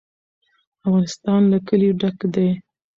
افغانستان له کلي ډک دی.